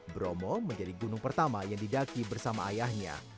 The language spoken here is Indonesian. bromo menjadi gunung pertama yang didaki bersama ayahnya